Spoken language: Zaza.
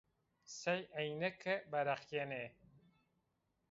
Sey eynike beriqîyenê